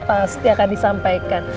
pasti akan disampaikan